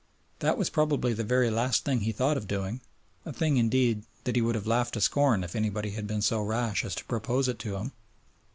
That was probably the very last thing he thought of doing a thing, indeed, that he would have laughed to scorn if anybody had been so rash as to propose it to him.